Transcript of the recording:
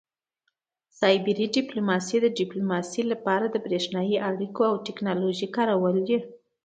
سایبر ډیپلوماسي د ډیپلوماسي لپاره د بریښنایي اړیکو او ټیکنالوژۍ کارول دي